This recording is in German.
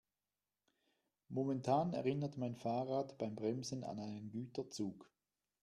Momentan erinnert mein Fahrrad beim Bremsen an einen Güterzug.